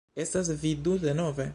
Estas vi du denove?!